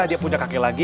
dia punya kakek lagi